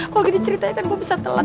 kalau gini ceritanya kan gue besar telat